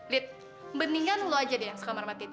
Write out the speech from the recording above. liat mendingan lo aja deh yang sekamar sama teddy